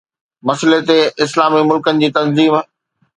مسئلي تي اسلامي ملڪن جي تنظيم